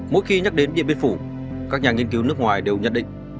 mỗi khi nhắc đến điện biên phủ các nhà nghiên cứu nước ngoài đều nhận định